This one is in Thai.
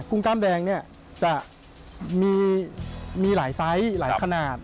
ุ้งกล้ามแดงเนี่ยจะมีหลายไซส์หลายขนาด